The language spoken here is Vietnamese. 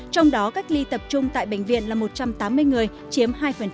trong đó cách ly tập trung tại bệnh viện là một trăm tám mươi người chiếm hai